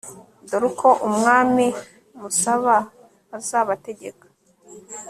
dore uko umwami musaba azabategeka